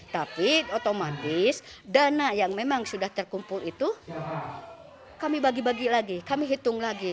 tapi otomatis dana yang memang sudah terkumpul itu kami bagi bagi lagi kami hitung lagi